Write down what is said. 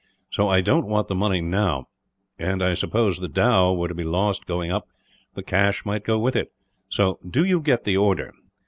So I don't want the money now and, suppose the dhow were to be lost going up, the cash might go with it. So, do you get the order.